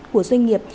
của doanh nghiệp